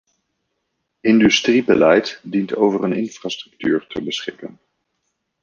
Industriebeleid dient over een infrastructuur te beschikken.